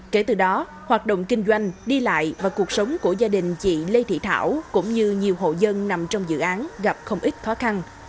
kể từ đó hoạt động kinh doanh đi lại và cuộc sống của gia đình chị lê thị thảo cũng như nhiều hộ dân nằm trong dự án gặp không ít khó khăn